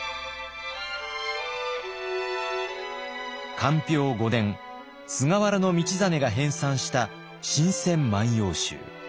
寛平五年菅原道真が編さんした「新撰万葉集」。